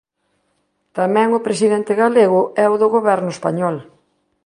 Tamén o presidente galego e o do Goberno español.